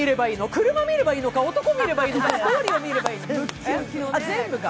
車を見ればいいのか男を見ればいいのかストーリーを見ればいいのか。